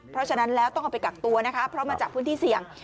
เพราะฉะนั้นแล้วต้องเอาไปกักตัวนะคะเพราะมาจากพื้นที่เสี่ยง